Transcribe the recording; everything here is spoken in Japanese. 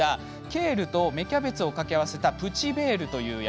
ケールと芽キャベツを掛け合わせたプチヴェール。